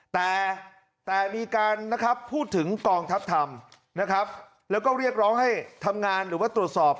แต่มีการพูดถึงกองทัพท่ำแล้วก็เรียกร้องให้ทำงานหรือว่าตรวจสอบ